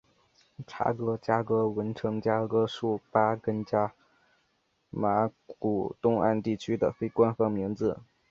查哥加哥文程加哥术巴根加马古东岸地区的非官方名字。